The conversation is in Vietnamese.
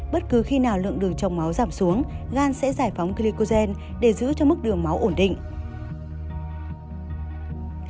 bất cứ khi nào lượng đường trong máu giảm xuống gan sẽ giải phóng glicogen để giữ cho mức đường máu ổn định